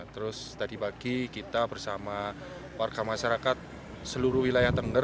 terus tadi pagi kita bersama warga masyarakat seluruh wilayah tengger